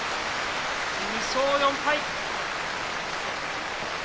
２勝４敗。